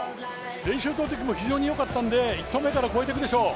練習投てきも非常によかったので１投目から越えていくでしょう。